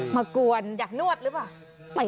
กวนอยากนวดหรือเปล่า